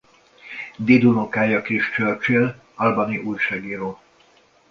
Dédunokája Chris Churchill albany-i újságíró.